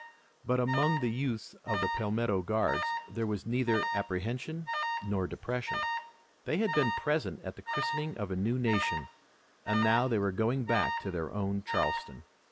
But among the youths of the Palmetto Guards there was neither apprehension nor depression. They had been present at the christening of the new nation, and now they were going back to their own Charleston.